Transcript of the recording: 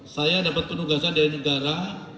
saya dapat penugasan dari negara